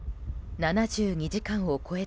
７２時間を超えた